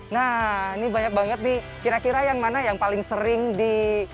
nah ini banyak banget nih kira kira yang mana yang paling sering di